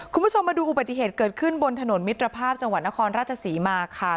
คุณผู้ชมมาดูอุบัติเหตุเกิดขึ้นบนถนนมิตรภาพจังหวัดนครราชศรีมาค่ะ